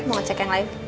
mau cek yang lain